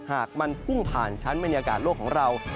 หากมันพุ่งผ่านชั้นบรรยากาศโลกของเรา